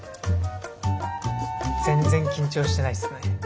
全然緊張してないっすね。